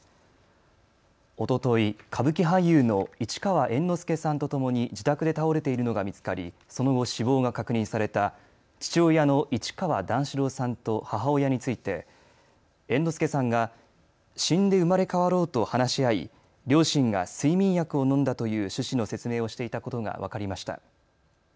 おととい歌舞伎俳優の市川猿之助さんとともに自宅で倒れているのが見つかりその後、死亡が確認された父親の市川段四郎さんと母親について猿之助さんが死んで生まれ変わろうと話し合い両親が睡眠薬を飲んだという趣旨の説明をしていたことが分かりました。